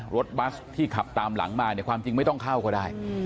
รถบัสที่ขับตามหลังมาเนี่ยความจริงไม่ต้องเข้าก็ได้